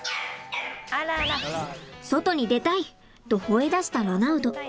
外に出たい！とほえ出したロナウド。